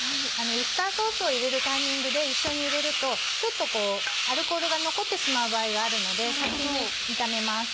ウスターソースを入れるタイミングで一緒に入れるとちょっとアルコールが残ってしまう場合があるので先に炒めます。